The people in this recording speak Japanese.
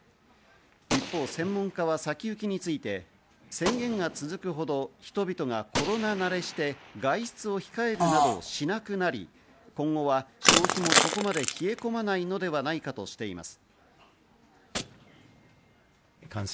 一方、専門家は先行きについて宣言が続くほど人々がコロナ慣れして外出を控えるなどをしなくなり、今後は消費もそこまで冷え込まないのではないかとしています。